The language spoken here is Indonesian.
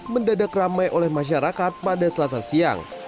mendadak ramai oleh masyarakat pada selasa siang